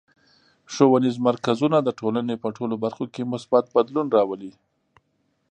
ښوونیز مرکزونه د ټولنې په ټولو برخو کې مثبت بدلون راولي.